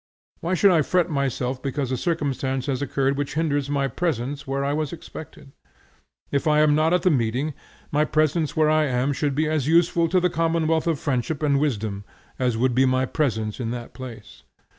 Why should I fret myself because a circumstance has occurred which hinders my presence where I was expected? If I am not at the meeting, my presence where I am should be as useful to the commonwealth of friendship and wisdom, as would be my presence in that place.